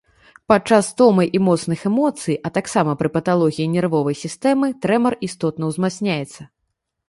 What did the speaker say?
Падчас стомы і моцных эмоцый, а таксама пры паталогіі нервовай сістэмы трэмар істотна ўзмацняецца.